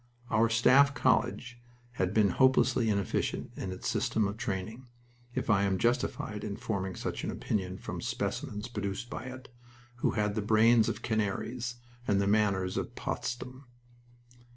Our Staff College had been hopelessly inefficient in its system of training, if I am justified in forming such an opinion from specimens produced by it, who had the brains of canaries and the manners of Potsdam.